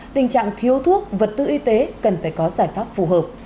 tình trạng thiếu thuốc vật tư y tế cần phải có giải pháp phù hợp